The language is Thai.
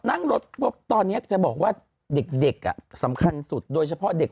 นั่งรถปุ๊บตอนนี้จะบอกว่าเด็กอ่ะสำคัญสุดโดยเฉพาะเด็ก